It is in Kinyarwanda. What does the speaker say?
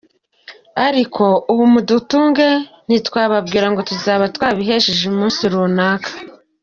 "Ariko ubu mudutunge ntitwobabwira ngo tuzoba twabihejeje umusi munaka.